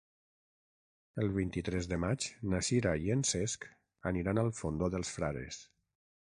El vint-i-tres de maig na Sira i en Cesc aniran al Fondó dels Frares.